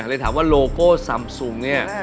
เลยถามว่าโลโก้ซำซุงเนี่ย